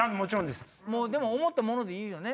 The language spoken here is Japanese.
でも思ったのでいいよね？